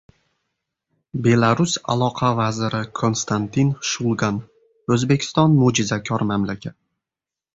Belarus aloqa vaziri Konstantin Shulgan: «O‘zbekiston – mo‘jizakor mamlakat»